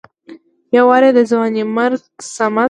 يو وارې د ځوانيمرګ صمد